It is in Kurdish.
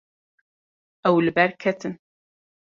Ew li ber ketin.